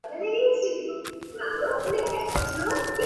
কিন্তু তা সে জানে না!